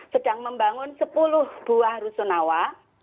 sedang membangun sepuluh buah rusunawa